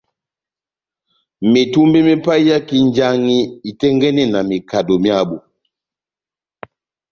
Metumbe me paiyaki njaŋhi itɛ́ngɛ́nɛ mekado myábu.